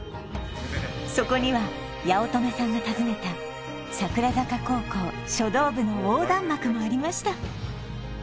そこには八乙女さんが訪ねた桜坂高校書道部の横断幕もありました